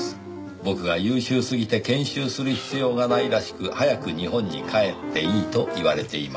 「僕が優秀すぎて研修する必要がないらしく早く日本に帰っていいと言われています」